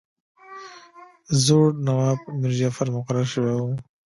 زوړ نواب میرجعفر مقرر شوی وو.